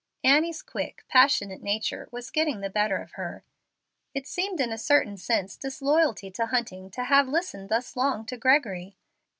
Annie's quick, passionate nature was getting the better of her. It seemed in a certain sense disloyalty to Hunting to have listened thus long to Gregory.